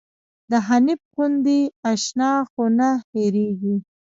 د حنيف غوندې اشنا خو نه هيريږي